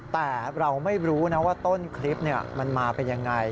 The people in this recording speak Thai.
แต่เราไม่รู้นะว่าต้นคลิปมันมาเป็นยังไง